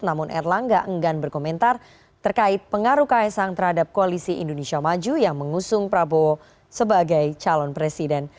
namun erlangga enggan berkomentar terkait pengaruh kaisang terhadap koalisi indonesia maju yang mengusung prabowo sebagai calon presiden